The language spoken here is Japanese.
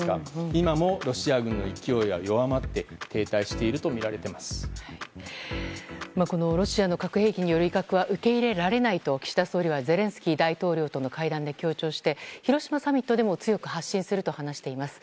今もロシア軍の勢いは弱まって停滞しているとロシアの核兵器による威嚇は受け入れられないと、岸田総理はゼレンスキー大統領との会談で強調して広島サミットでも強く発信すると話しています。